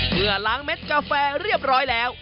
ล้างเม็ดกาแฟเรียบร้อยแล้ว